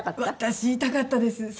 私痛かったです。